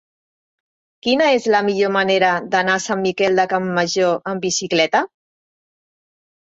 Quina és la millor manera d'anar a Sant Miquel de Campmajor amb bicicleta?